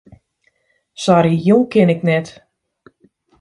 Sorry, jûn kin ik net.